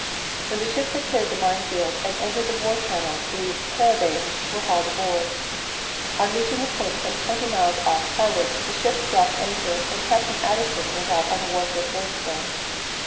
When the ships had cleared the mine field and entered the war channel the "paravanes" were hauled aboard. On reaching a point some twenty miles off Harwich the ships dropped anchor and Captain Addison went out on the warship Maidstone.